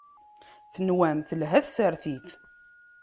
Tenwam telha tsertit.